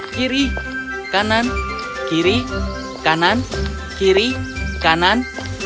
kiri kanan kiri kanan kiri kanan